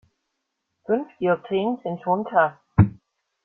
Fünf Dioptrien sind schon krass.